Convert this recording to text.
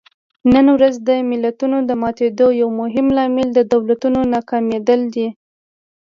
نن ورځ د ملتونو د ماتېدو یو مهم لامل د دولتونو ناکامېدل دي.